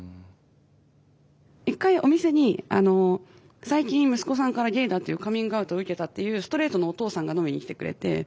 一回お店に最近息子さんからゲイだっていうカミングアウトを受けたっていうストレートのお父さんが飲みに来てくれて。